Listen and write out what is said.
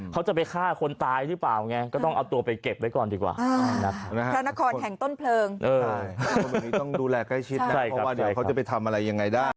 เขาจะไปฆ่าคนตายหรือเปล่า